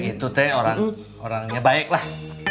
itu teh orangnya baik lah